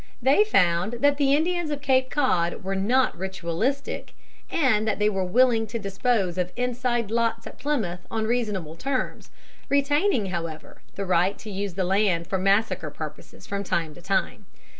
They found that the Indians of Cape Cod were not ritualistic, and that they were willing to dispose of inside lots at Plymouth on reasonable terms, retaining, however, the right to use the lands for massacre purposes from time to time.